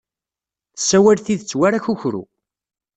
Tessawal tidet war akukru.